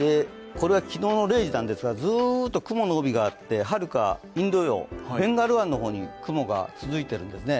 昨日の０時なんですがずっと雲の帯があってはるかインド洋、ベンガル湾の方に雲が伸びてるんですね。